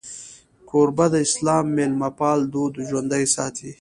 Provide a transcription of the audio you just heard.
کوربه د اسلام میلمهپال دود ژوندی ساتي.